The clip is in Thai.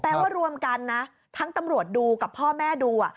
ว่ารวมกันนะทั้งตำรวจดูกับพ่อแม่ดู